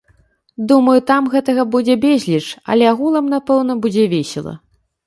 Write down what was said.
Думаю, там гэтага будзе безліч, але агулам, напэўна, будзе весела.